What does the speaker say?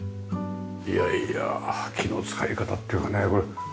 いやいや木の使い方っていうかねこれ。